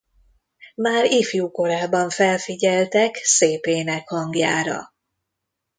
Már ifjú korában felfigyeltek szép énekhangjára.